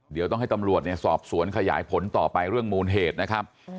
เดี๋ยวต้องให้ตำรวจเนี่ยสอบสวนขยายผลต่อไปเรื่องมูลเหตุนะครับ